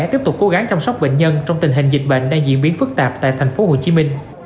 tiếp tục cố gắng chăm sóc bệnh nhân trong tình hình dịch bệnh đang diễn biến phức tạp tại tp hcm